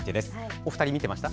お二人、見ていました？